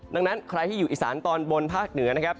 ดังนั้นใครที่อยู่อีสานตอนบนภาคเหนือนะครับ